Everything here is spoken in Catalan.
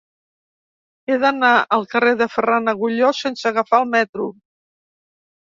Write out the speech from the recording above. He d'anar al carrer de Ferran Agulló sense agafar el metro.